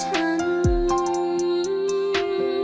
สวัสดีครับ